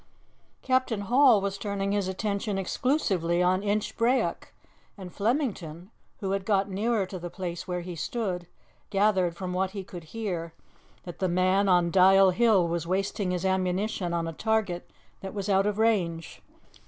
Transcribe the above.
Captain Hall was turning his attention exclusively on Inchbrayock, and Flemington, who had got nearer to the place where he stood, gathered from what he could hear that the man on Dial Hill was wasting his ammunition on a target that was out of range.